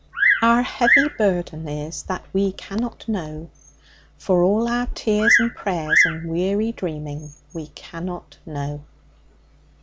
Our heavy burden is that we cannot know. For all our tears and prayers and weary dreaming, we cannot know.